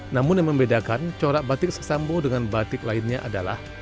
namun yang membedakan corak batik sesambo dengan batik lainnya adalah